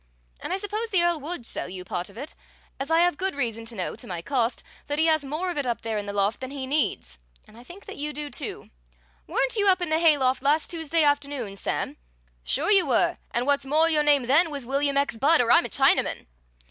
"And I suppose the Earl would sell you part of it, as I have good reason to know, to my cost, that he has more of it up there in the loft than he needs, and I think that you do, too. Weren't you up in the hayloft last Tuesday afternoon, Sam? Sure you were, and what's more, your name then was William X. Budd or I'm a Chinaman!"